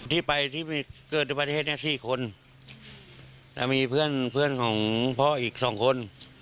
ที่ไปที่เกิดประเทศนี้๔คนแต่มีเพื่อนของพ่ออีก๒คน